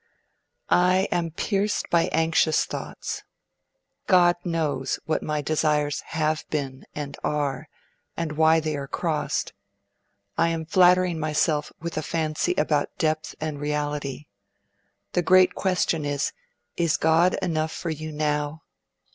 'I am pierced by anxious thoughts. God knows what my desires have been and are, and why they are crossed.... I am flattering myself with a fancy about depth and reality.... The great question is: Is God enough for you now?